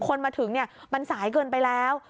คนมาถึงเนี่ยมันสายเกินไปแล้ว